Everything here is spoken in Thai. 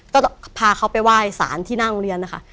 ก็พาเขาไปไหว้สารที่หน้าโรงเรียนนะคะ